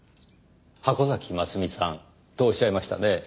箱崎ますみさんとおっしゃいましたね。